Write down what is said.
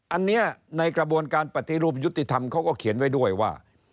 อันนี้ในกระบวนการปฏิรูปยุติธรรมเขาก็เขียนไว้ด้วยว่า